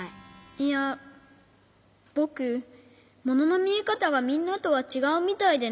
いやぼくもののみえかたがみんなとはちがうみたいでね。